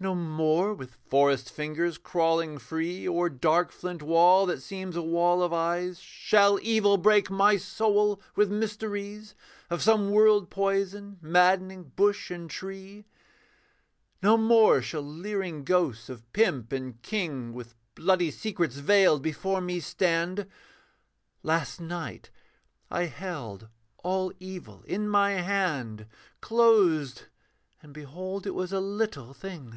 No more, with forest fingers crawling free O'er dark flint wall that seems a wall of eyes, Shall evil break my soul with mysteries Of some world poison maddening bush and tree. No more shall leering ghosts of pimp and king With bloody secrets veiled before me stand. Last night I held all evil in my hand Closed: and behold it was a little thing.